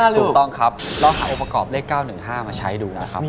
ถูกต้องครับลองหาองค์ประกอบเลข๙๑๕มาใช้ดูนะครับ